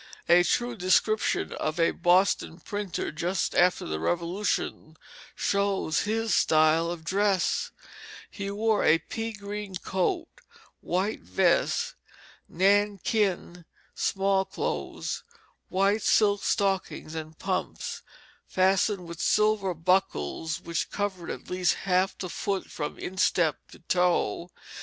A true description of a Boston printer just after the Revolution shows his style of dress: "He wore a pea green coat, white vest, nankeen small clothes, white silk stockings, and pumps fastened with silver buckles which covered at least half the foot from instep to toe.